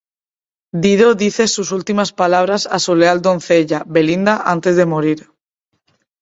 Dido dice sus últimas palabras a su leal doncella, Belinda, antes de morir.